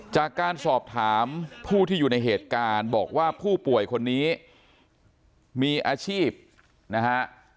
จากการสอบถามผู้ที่อยู่ในเหตุการณ์บอกว่าผู้ป่วยคนนี้มีอาชีพนะฮะ